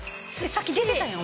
さっき出てたやん！